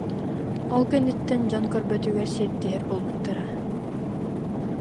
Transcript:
Ол кэнниттэн дьон көрбөтүгэр сиэттиһэр буолбуттара